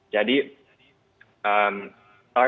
jadi mulai dari